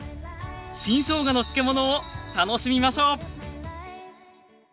新しょうがの漬物を楽しみましょう！